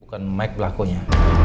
bukan mike berlakunya